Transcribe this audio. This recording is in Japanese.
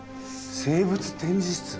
生物展示室？